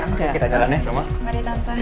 ya tante kita jalannya sama